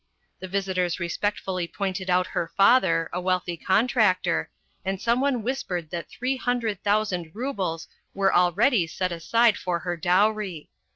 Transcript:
The visitors respectfully pointed out her father, a wealthy contractor, and some one whispered that three hundred thousand roubles were alread} r set aside for her dowrj^.